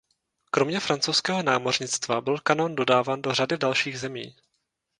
Kromě francouzského námořnictva byl kanón dodáván do řady dalších zemí.